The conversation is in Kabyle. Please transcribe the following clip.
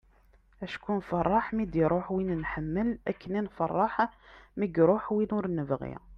acku nfeṛṛeḥ mi d-iruḥ win nḥemmel akken i nfeṛṛeḥ mi iruḥ win ur nebɣi